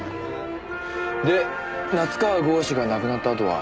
で夏河郷士が亡くなったあとは。